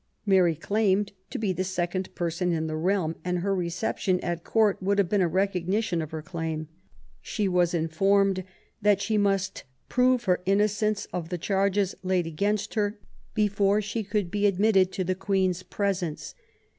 Mary claimed to be the second person in the realm, and her reception at Court would have been a recog nition of her claim. She was informed that she must prove her innocence of the charges laid against her before she could be admitted to the Queen's presence.